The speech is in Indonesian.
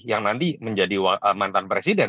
yang nanti menjadi mantan presiden